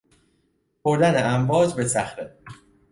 خوردن امواج به صخره